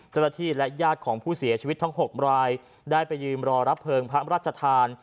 เจ้าหน้าที่และญาติของผู้เสียชีวิตทั้ง๖รายได้ไปยืมรอรับเพลิงพระราชทาน